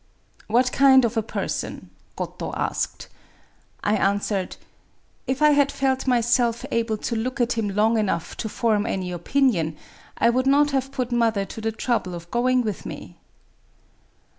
'* What kind of a person ?" Goto asked. I answered: —" If I had felt myself able to look at him long enough to form any opinion, I would not have put mother to the trouble of going with me."